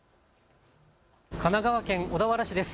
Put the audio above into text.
神奈川県小田原市です。